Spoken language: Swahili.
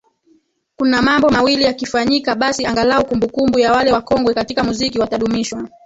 Kuna mambo mawili yakifanyika basi angalau kumbukumbu ya wale wakongwe katika muziki watadumishwa